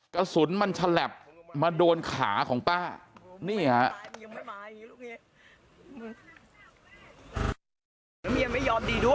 กระสุนมันฉลับมาโดนขาของป้านี่ฮะ